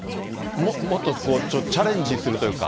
もっとチャレンジするというか。